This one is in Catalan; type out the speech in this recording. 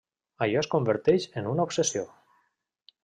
Allò es converteix en una obsessió.